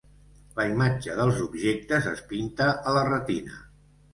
La imatge dels objectes es pinta a la retina.